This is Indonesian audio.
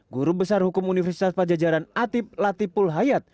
guru besar hukum universitas pajajaran atip latiful hayat